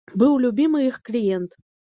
Быў любімы іх кліент.